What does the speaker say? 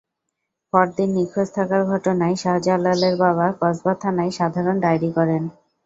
পরদিন নিখোঁজ থাকার ঘটনায় শাহজালালের বাবা কসবা থানায় সাধারণ ডায়েরি করেন।